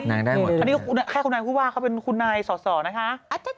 อันนี้ก็ให้คุณนายผู้ว่าเขาเป็นคุณนายสอสอนะคะ